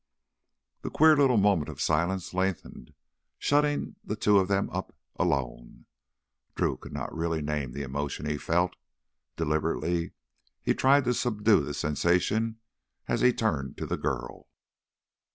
That queer little moment of silence lengthened, shutting the two of them up—alone. Drew could not really name the emotion he felt. Deliberately he tried to subdue the sensation as he turned to the girl.